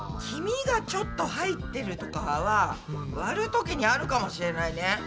黄身がちょっと入ってるとかは割るときにあるかもしれないね。